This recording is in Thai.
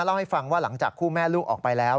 เล่าให้ฟังว่าหลังจากคู่แม่ลูกออกไปแล้ว